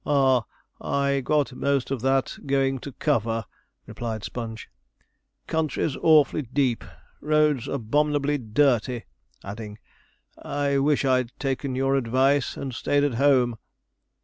'Ah, I got most of that going to cover,' replied Sponge; 'country's awfully deep, roads abominably dirty!' adding, 'I wish I'd taken your advice, and stayed at home.'